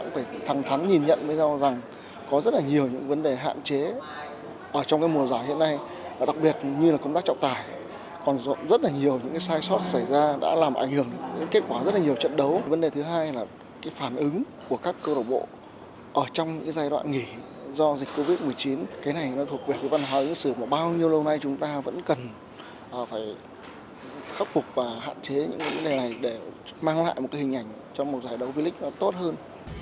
khắc phục và hạn chế những vấn đề này để mang lại một hình ảnh cho một giải đấu viên lích tốt hơn